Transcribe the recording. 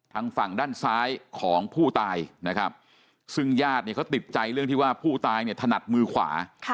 ทางฝั่งด้านซ้ายของผู้ตายนะครับซึ่งญาติเนี่ยเขาติดใจเรื่องที่ว่าผู้ตายเนี่ยถนัดมือขวา